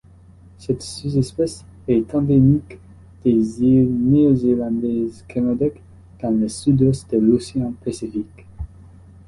Cette sous-espèce est endémique des îles néozélandaises Kermadec dans le sud-ouest de l'océan Pacifique.